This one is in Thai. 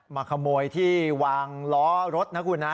มาขโมยที่วางล้อรถนะคุณนะ